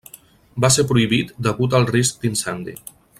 Va ser prohibit degut al risc d’incendi.